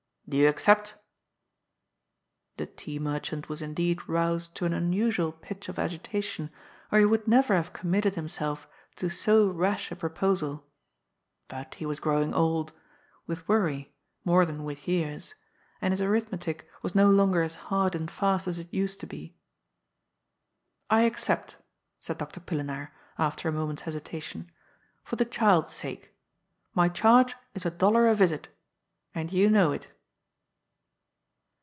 Do you accept ?' The tea merchant was indeed roused to an unusual pitch 78 GOD'S FOOL. of agitation, or he would never hare committed himself to bo rash a proposal. But he was growing old — with worry, more than with years — ^and.his arithmetic was no longer as hard and fast as it used to be. ^' I accept," said Doctor Pillenaar, after a moment's hes itation, ^' for the child's sake. My charge is a dollar a visit And you know it."